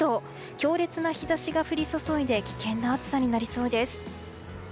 強烈な日差しが降り注いで危険な暑さになりそうです。